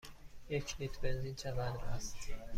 یک لیتر بنزین چقدر است؟